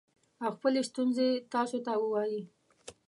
او خپلې ستونزې تاسو ته ووايي